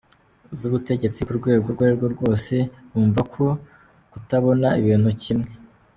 z’ubutegetsi k’urwego urwo ari rwo rwose bumva ko kutabona ibintu kimwe